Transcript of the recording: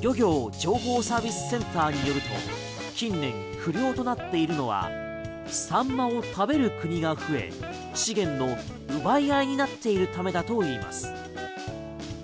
漁業情報サービスセンターによると近年、不漁となっているのはサンマを食べる国が増え資源の奪い合いになっているためだといいます。